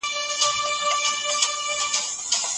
د ځوانانو ونډه تر زړو په بدلون کي زياته ده.